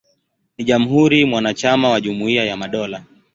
Ni jamhuri mwanachama wa Jumuiya ya Madola.